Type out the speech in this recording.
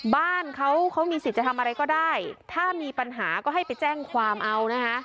บ้านเขาเขามีสิทธิ์จะทำอะไรก็ได้ถ้ามีปัญหาก็ให้ไปแจ้งความเอานะคะ